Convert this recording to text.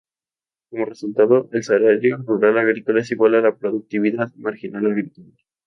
Como resultado, el salario rural agrícola es igual a la productividad marginal agrícola.